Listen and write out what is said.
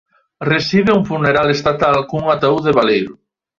Recibe un funeral estatal cun ataúde baleiro.